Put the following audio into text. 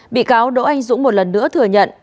bị cáo đỗ anh dũng một lần nữa thừa nhận